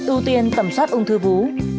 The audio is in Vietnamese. ưu tiên tầm soát ung thư vú